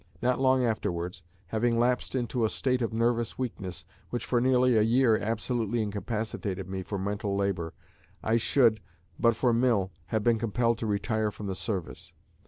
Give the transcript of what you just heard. Not long afterwards, having lapsed into a state of nervous weakness, which for nearly a year absolutely incapacitated me for mental labor, I should, but for Mill, have been compelled to retire from the service.